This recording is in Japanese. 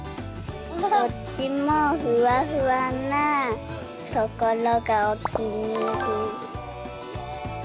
どっちもふわふわなところがお気に入り。